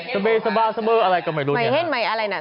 เตี้ยเสมออะไรก็ไม่รู้ไม่เห็นอะไรอะไรสักอย่าง